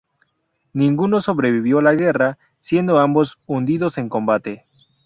Ninguno sobrevivió a la guerra, siendo ambos hundidos en combate.